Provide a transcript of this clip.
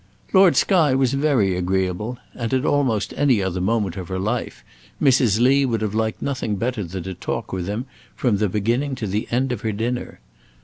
Lord Skye was very agreeable, and, at almost any other moment of her life, Mrs. Lee would have liked nothing better than to talk with him from the beginning to the end of her dinner.